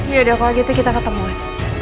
yaudah kalau gitu kita ketemuin